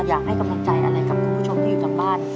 อยากให้กำลังใจอะไรกับคุณผู้ชมที่อยู่ทางบ้าน